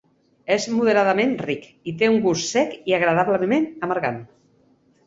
És moderadament ric, i té un gust sec i agradablement amargant.